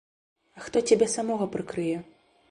А хто цябе самога прыкрые?